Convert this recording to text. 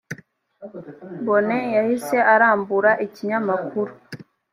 bone yahise arambura ikinyamakuru